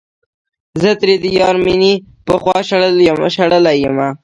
زه ترې د يار مينې پخوا شړلے يمه